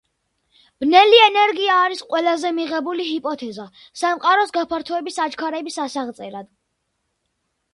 ბნელი ენერგია არის ყველაზე მიღებული ჰიპოთეზა სამყაროს გაფართოების აჩქარების ასაღწერად.